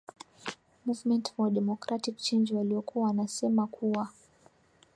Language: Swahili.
movement for democratic change waliokuwa wanasema kuwa